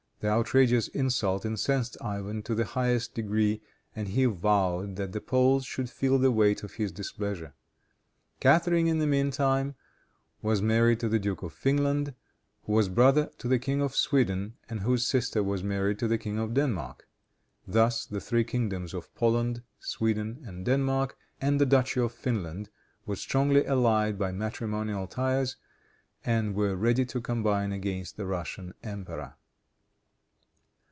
The outrageous insult incensed Ivan to the highest degree, and he vowed that the Poles should feel the weight of his displeasure. Catharine, in the meantime, was married to the Duke of Finland, who was brother to the King of Sweden, and whose sister was married to the King of Denmark. Thus the three kingdoms of Poland, Sweden and Denmark, and the Duchy of Finland were strongly allied by matrimonial ties, and were ready to combine against the Russian emperor.